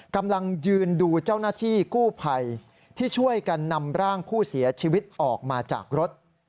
กำลังยืนดูเจ้าหน้าที่กู้ภัยที่ช่วยกันนำร่างผู้เสียชีวิตออกมาจากรถ